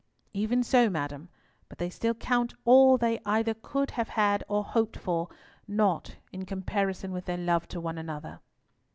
"Even so, madam; but they still count all they either could have had or hoped for, nought in comparison with their love to one another."